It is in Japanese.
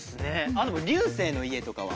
あっでも流星の家とかは。